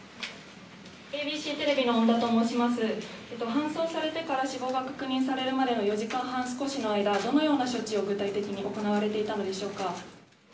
搬送されてから死亡が確認されるまでの４時間半少しの間どのような措置を具体的に行われていたのでしょうか。